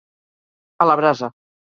A la brasa.